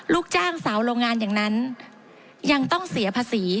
ลูกจ้างสาวโรงงานอย่างนั้นยังต้องเสียภาษี